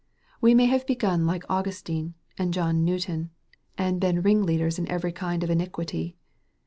We may have begun like Augustine, and John Newton, and been ringleaders in every kind of iniquity.